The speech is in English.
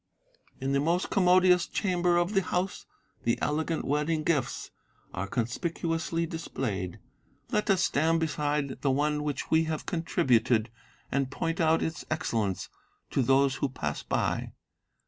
"In the most commodious chamber of the house the elegant wedding gifts are conspicuously displayed; let us stand beside the one which we have contributed, and point out its excellence to those who pass by.